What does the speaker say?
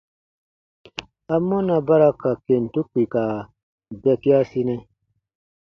Amɔna ba ra ka kentu kpika bɛkiasinɛ?